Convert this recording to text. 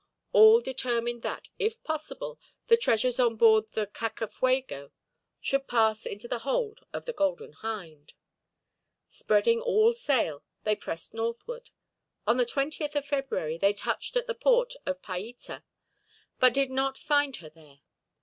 All determined that, if possible, the treasures on board the Cacafuego should pass into the hold of the Golden Hind. Spreading all sail, they pressed northward. On the 20th of February they touched at the port of Paita, but did not find her there.